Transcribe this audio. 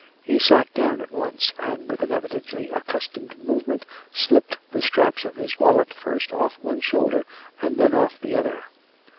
He sat down at once, and with an evidently accustomed movement slipped the straps of his wallet first off one shoulder and then off the other.